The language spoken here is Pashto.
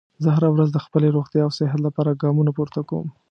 زه هره ورځ د خپلې روغتیا او صحت لپاره ګامونه پورته کوم